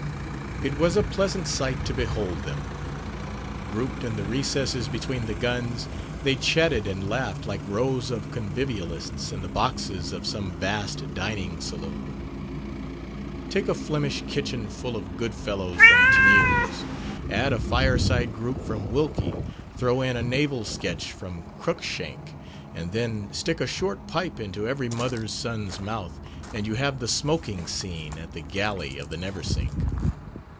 It was a pleasant sight to behold them. Grouped in the recesses between the guns, they chatted and laughed like rows of convivialists in the boxes of some vast dining saloon. Take a Flemish kitchen full of good fellows from Teniers; add a fireside group from Wilkie; throw in a naval sketch from Cruickshank; and then stick a short pipe into every mother's son's mouth, and you have the smoking scene at the galley of the Neversink.